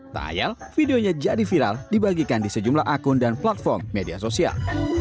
tak ayal videonya jadi viral dibagikan di sejumlah akun dan platform media sosial